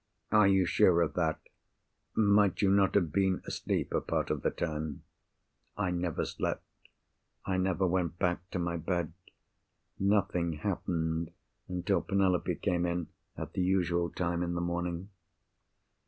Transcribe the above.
"Are you sure of that? Might you not have been asleep a part of the time?" "I never slept. I never went back to my bed. Nothing happened until Penelope came in, at the usual time in the morning."